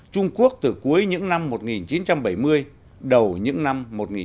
trung quốc từ cuối những năm một nghìn chín trăm bảy mươi đầu những năm một nghìn chín trăm bảy mươi